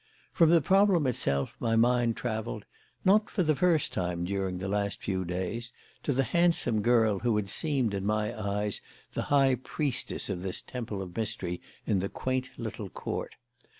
From the problem itself my mind travelled, not for the first time during the last few days, to the handsome girl who had seemed in my eyes the high priestess of this temple of mystery in the quaint little court.